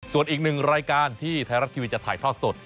ส่วนอีกหนึ่งรายการที่ไทยรัฐทีวีจะถ่ายทอดสด